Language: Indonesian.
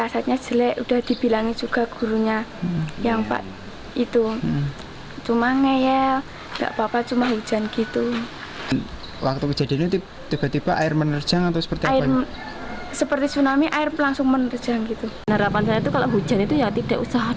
sejumlah guru pembimbing telah diingatkan oleh sejumlah murid